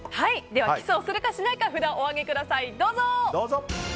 ではキスをするかしないか札をお上げください。